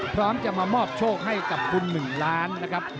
พร้อมจะมามอบโชคให้กับคุณ๑ล้านนะครับ